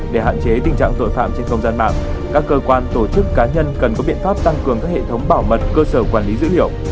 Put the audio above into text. để hạn chế tình trạng tội phạm trên không gian mạng các cơ quan tổ chức cá nhân cần có biện pháp tăng cường các hệ thống bảo mật cơ sở quản lý dữ liệu